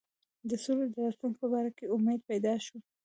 د سولي د راتلونکي په باره کې امید پیدا شو.